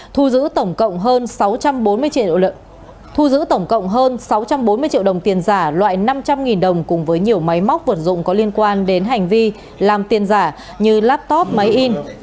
thu giữ tổng cộng hơn sáu trăm bốn mươi triệu đồng tiền giả loại năm trăm linh đồng cùng với nhiều máy móc vượt dụng có liên quan đến hành vi làm tiền giả như laptop máy in